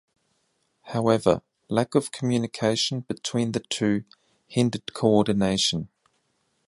However, lack of communication between the two hindered co-ordination.